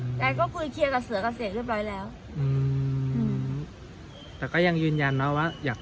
อืมแล้วก็คุยเคลียร์กับเสือกเศษเรียบร้อยแล้วอืมอืมแต่ก็ยังยืนยันเนาะว่า